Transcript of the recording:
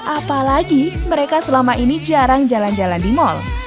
apalagi mereka selama ini jarang jalan jalan di mal